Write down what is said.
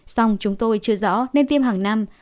xong chúng tôi chưa rõ nên tiêm hàng năm